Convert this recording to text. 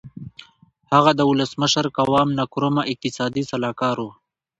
هغه د ولسمشر قوام نکرومه اقتصادي سلاکار و.